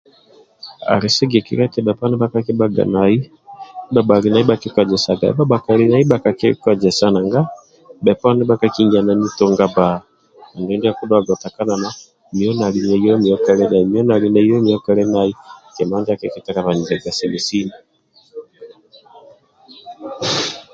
Ali sigikilia eti bheponi bhakakibhaga nai ndibha bhali nai bhakikozesa mindia kali nai kakikozesa nanga bheponi bhakakinganani runga bba andulu ndio okutakanaga ndia miyo ali nai miyo kali nai